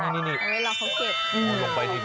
นี่นี่นี่เวลาเขาเก็บ